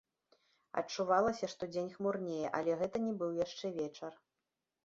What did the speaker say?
Адчувалася, што дзень хмурнее, але гэта не быў яшчэ вечар.